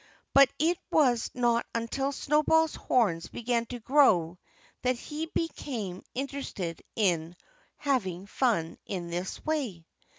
But it was not until Snowball's horns began to grow that he became interested in having fun in this way.